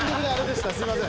すいません。